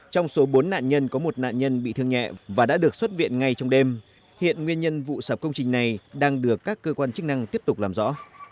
trong số bốn nạn nhân có một nạn nhân bị thương nhẹ và đã được xuất viện ngay trong đêm hiện nguyên nhân vụ sập công trình này đang được các cơ quan chức năng tiếp tục làm rõ